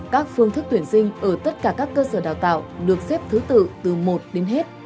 các phương thức tuyển sinh ở tất cả các cơ sở đào tạo được xếp thứ tự từ một đến hết